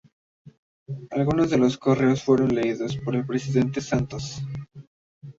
Algunos de los de los correos fueron leídos por el Presidente Santos.